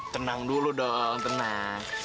tenang dulu dong tenang